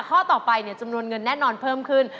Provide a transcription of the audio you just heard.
ข้อต่อไปจำนวนเงินแน่นอนเพิ่มขึ้น